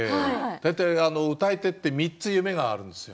大体、歌い手は３つ夢があるんです。